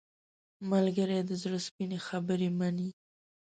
ملګری د زړه سپینې خبرې مني